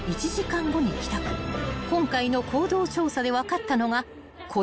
［今回の行動調査で分かったのがこちら］